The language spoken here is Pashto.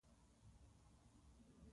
جلالتمآب محمدعزیز خان: